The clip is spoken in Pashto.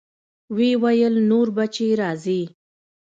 ويې ويل نور به چې راځې.